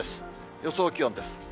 予想気温です。